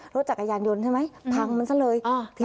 รถจักรยานยนต์ใช่ไหมพังอยู่ซะเลยไปลงซะเลย